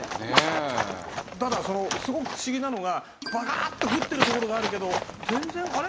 ただすごく不思議なのがバカーッと降っている所があるけど全然あれ？